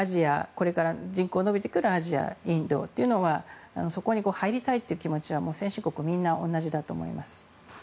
これから人口が伸びてくるアジア、インドというのがそこに入りたいという気持ちは先進国、みんな同じだと思います。